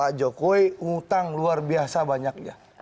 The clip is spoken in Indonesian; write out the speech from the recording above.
pak jokowi utang luar biasa banyaknya